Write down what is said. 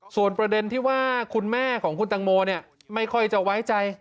ส่วนประเด็นที่ว่าคุณแม่ของคุณตังโมไม่ค่อยจะไว้ใจ